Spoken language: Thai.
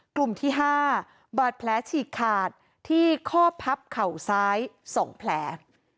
กลุ่มที่๕บาดแผลฉีกขาดที่ข้อพับเข่าซ้าย๒แผล